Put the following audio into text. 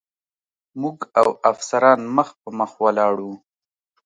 موږ او افسران مخ په مخ ولاړ و.